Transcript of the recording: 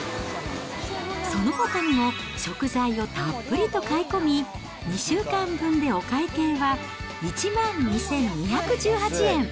そのほかにも食材をたっぷりと買い込み、２週間分でお会計は１万２２１８円。